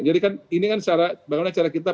jadi kan ini kan cara kita